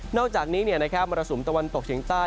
อกจากนี้มรสุมตะวันตกเฉียงใต้